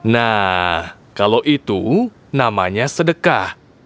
nah kalau itu namanya sedekah